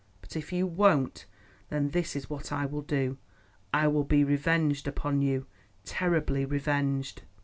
But if you won't, then this is what I will do. I will be revenged upon you—terribly revenged."